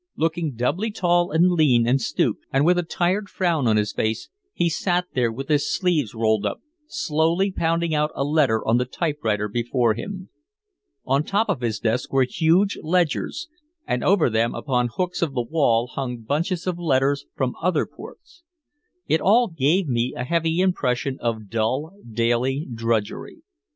Looking doubly tall and lean and stooped, and with a tired frown on his face, he sat there with his sleeves rolled up slowly pounding out a letter on the typewriter before him. On top of his desk were huge ledgers, and over them upon hooks on the wall hung bunches of letters from other ports. It all gave me a heavy impression of dull daily drudgery.